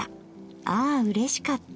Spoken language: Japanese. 『ああうれしかった』